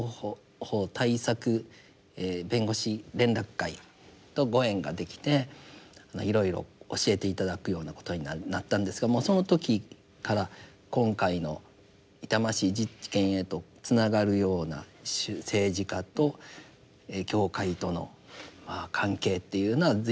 弁護士連絡会とご縁ができていろいろ教えて頂くようなことになったんですがもうその時から今回の痛ましい事件へとつながるような政治家と教会との関係っていうのは随分議論をされておりました。